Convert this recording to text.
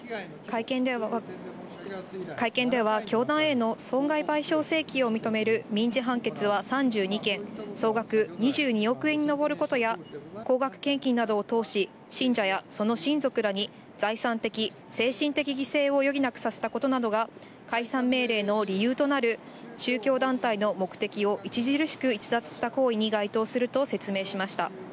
会見では、教団への損害賠償請求を認める民事判決は３２件、総額２２億円に上ることや、高額献金などを通し、信者やその親族らに財産的・精神的犠牲を余儀なくさせたことなどが、解散命令の理由となる宗教団体の目的を著しく逸脱した行為に該当すると説明しました。